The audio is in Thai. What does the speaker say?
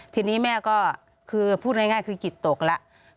ทีนี้แม่ก็คือพูดง่ายคือจิตตกแล้ว